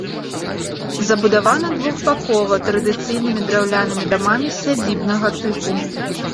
Забудавана двухбакова традыцыйнымі драўлянымі дамамі сядзібнага тыпу.